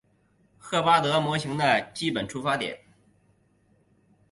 赫巴德模型的基本出发点。